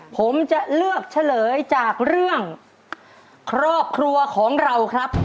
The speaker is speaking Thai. ผมจะเลือกเฉลยจากเรื่องครอบครัวของเราครับ